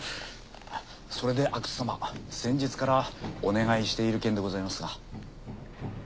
それで阿久津様先日からお願いしている件でございますが。